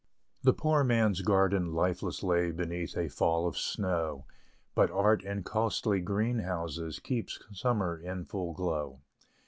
THE poor man's garden lifeless lay Beneath a fall of snow; But Art in costly greenhouses, Keeps Summer in full glow.